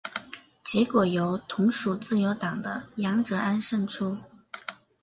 结果由同属自由党的杨哲安胜出。